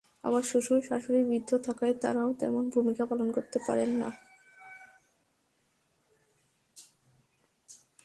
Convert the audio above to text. আবার শ্বশুর-শাশুড়ি বৃদ্ধ থাকায় তাঁরাও তেমন ভূমিকা পালন করতে পারেন না।